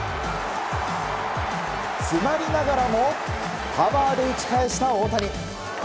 詰まりながらもパワーで打ち返した大谷。